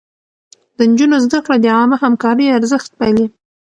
د نجونو زده کړه د عامه همکارۍ ارزښت پالي.